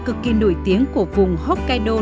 cực kỳ nổi tiếng của vùng hokkaido